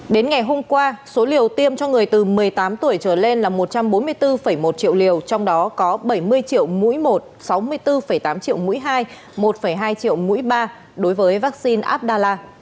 đến ngày hôm qua số liều tiêm cho người từ một mươi tám tuổi trở lên là một trăm bốn mươi bốn một triệu liều trong đó có bảy mươi triệu mũi một sáu mươi bốn tám triệu mũi hai một hai triệu mũi ba đối với vaccine abdallah